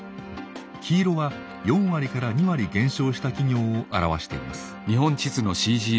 黄色は４割から２割減少した企業を表しています。